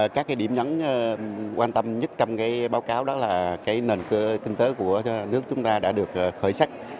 các điểm nhấn quan tâm nhất trong báo cáo đó là nền kinh tế của nước chúng ta đã được khởi sắc